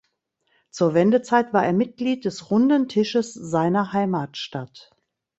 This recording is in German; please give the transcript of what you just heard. Zur Wendezeit war er Mitglied des Runden Tisches seiner Heimatstadt.